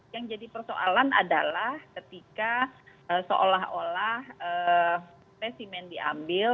yang jadi persoalan adalah ketika seolah olah spesimen diambil